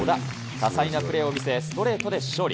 多彩なプレーを見せ、ストレートで勝利。